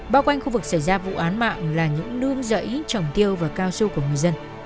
bao quanh khu vực xảy ra vụ án mạng là những nương rẫy trồng tiêu và cao su của người dân